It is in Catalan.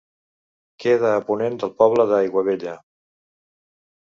Queda a ponent del poble d'Aiguabella.